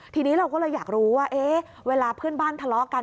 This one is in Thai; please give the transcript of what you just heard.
ทีนี้เราก็เลยอยากรู้ว่าเวลาเพื่อนบ้านทะเลาะกัน